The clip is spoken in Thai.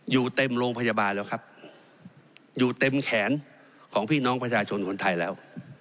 อยู่เต็มโรงพยาบาลแล้วครับอยู่เต็มแขนของพี่น้องประชาชนคนไทยแล้ว